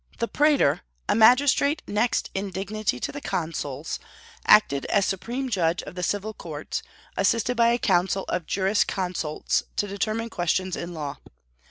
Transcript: The praetor, a magistrate next in dignity to the consuls, acted as supreme judge of the civil courts, assisted by a council of jurisconsults to determine questions in law.